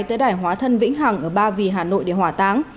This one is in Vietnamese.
tới đài hóa thân vĩnh hằng ở ba vì hà nội để hỏa táng